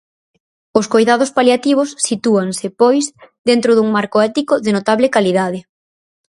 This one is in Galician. Os coidados paliativos sitúanse, pois, dentro dun marco ético de notable calidade.